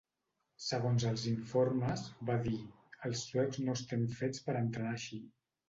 Segons els informes, va dir: "Els suecs no estem fets per entrenar així".